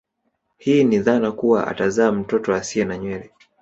Hii ni dhana kuwa atazaa mtoto asie na nywele